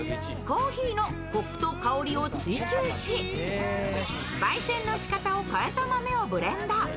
コーヒーのコクと香りを追求しばい煎のしかたを変えた豆をブレンド。